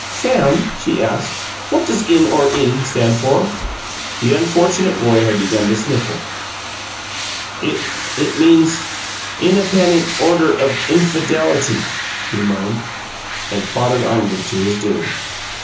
"Sam," she asked, "what does 'In Or In' stand for?" The unfortunate boy had begun to sniffle. "It it means Innapenent Order of Infadelaty," he moaned and plodded onward to his doom.